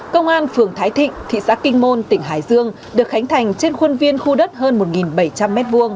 công an phường thái thịnh thị xã kinh môn tỉnh hải dương được khánh thành trên khuôn viên khu đất hơn một bảy trăm linh m hai